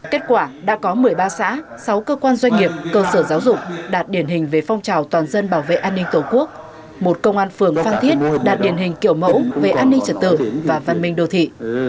kết quả đã có một mươi ba xã sáu cơ quan doanh nghiệp cơ sở giáo dục đạt điển hình về phong trào toàn dân bảo vệ an ninh tổ quốc một công an phường phan thiết đạt điển hình kiểu mẫu về an ninh trật tự và văn minh đô thị